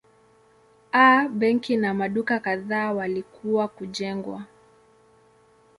A benki na maduka kadhaa walikuwa kujengwa.